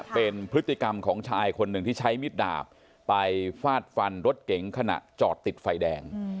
เป็นพฤติกรรมของชายคนหนึ่งที่ใช้มิดดาบไปฟาดฟันรถเก๋งขณะจอดติดไฟแดง